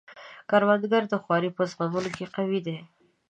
کروندګر د خوارۍ په زغملو کې قوي دی